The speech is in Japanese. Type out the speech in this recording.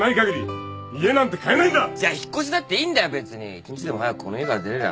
１日でも早くこの家から出れりゃ。